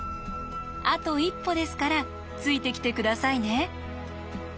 あと一歩ですからついてきて下さいね。